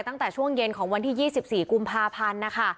ตั้งแต่ช่วงเย็นของวันที่๒๔กุมภาพันธ์นะคะ